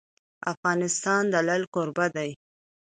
افغانستان د لعل کوربه دی.